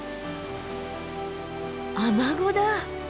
アマゴだ。